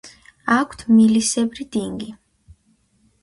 აქვთ მილისებრი დინგი.